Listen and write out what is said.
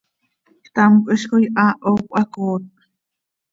¡Ctamcö hizcoi haaho cöhacooot!